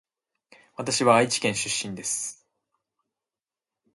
わたしは愛知県出身です